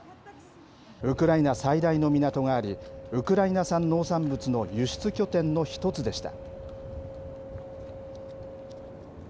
ウクライナ最大の港があり、ウクライナ産農産物の輸出拠点の一つでした。